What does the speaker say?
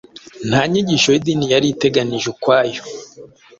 Nta nyigisho y'idini yari iteganijwe ukwayo.